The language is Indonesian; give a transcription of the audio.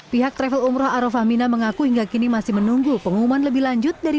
pihak travel umroh arofah mina mengaku hingga kini masih menunggu pengumuman lebih lanjut dari